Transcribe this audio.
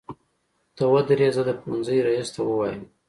ته ودرې زه د پوهنځۍ ريس ته وويمه.